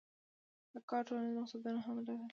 دا کار ټولنیز مقصدونه هم لرل.